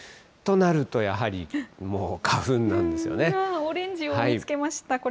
となるとやはり、もう花粉なんでオレンジを見つけました。